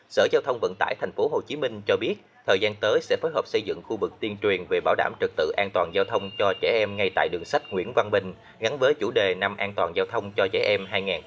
sở giao thông vận tải tp hcm cho biết thời gian tới sẽ phối hợp xây dựng khu vực tiên truyền về bảo đảm trực tự an toàn giao thông cho trẻ em ngay tại đường sách nguyễn văn bình gắn với chủ đề năm an toàn giao thông cho trẻ em hai nghìn hai mươi bốn